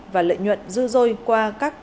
và lợi nhuận dư dôi qua các